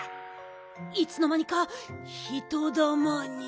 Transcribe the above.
いつのまにか人だまに。